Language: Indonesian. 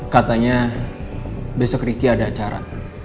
katanya besok ricky ada acara